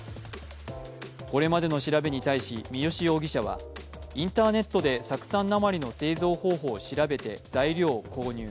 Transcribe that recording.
これまでの調べに対し、三好容疑者はインターネットで酢酸鉛の製造方法を調べて材料を購入。